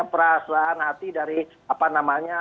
perasaan hati dari apa namanya